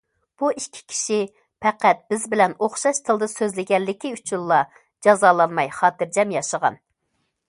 بۇ ئىككى كىشى پەقەت بىز بىلەن ئوخشاش تىلدا سۆزلىگەنلىكى ئۈچۈنلا جازالانماي خاتىرجەم ياشىغان.